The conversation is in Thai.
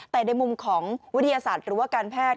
แต่ในมุมของวิทยาศาสตร์หรือว่าการแพทย์